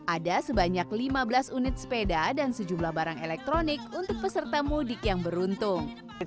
ada sebanyak lima belas unit sepeda dan sejumlah barang elektronik untuk peserta mudik yang beruntung